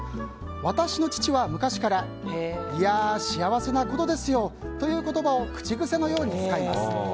私の父は昔からいやー、幸せなことですよという言葉を口癖のように使います。